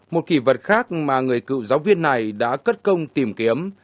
một kỷ vật khác mà người cựu giáo viên này đã cất công tìm kiếm